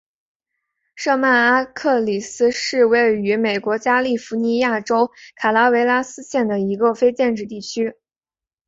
舍曼阿克里斯是位于美国加利福尼亚州卡拉韦拉斯县的一个非建制地区。